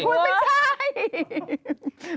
โอ๊ยไม่ใช่